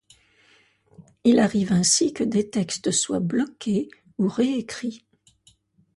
Il arrive ainsi que des textes soient bloqués ou réécrits.